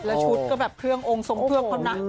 แล้วชุดก็แบบเครื่ององค์ทรงเครื่องเขานะ